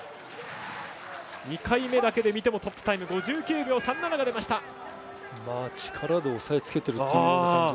２回目だけで見てもトップタイム５９秒３７が出ました。